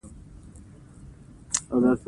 زموږ لاس تور سپي څټلی دی.